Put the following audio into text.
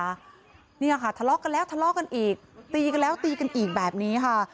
เนี่ยค่ะทะเลาะกันแล้วทะเลาะกันอีกตีกันแล้วตีกันอีกแบบนี้ค่ะ